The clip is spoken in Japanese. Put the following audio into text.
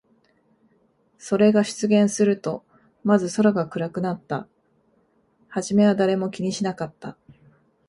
それが出現すると、まず空が暗くなった。はじめは誰も気にしなかった。